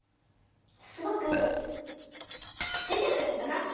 すごく出てくるんだな！